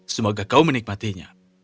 semoga kau menikmatinya